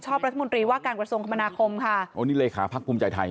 โอ้นี่เลยค่ะภักดิ์ภูมิใจไทย